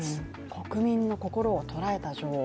国民の心を捉えた女王。